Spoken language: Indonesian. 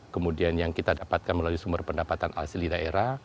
kemudian yang kita dapatkan melalui sumber pendapatan asli daerah